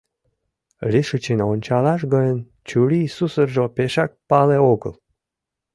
Лишычын ончалаш гын, чурий сусыржо пешак пале огыл.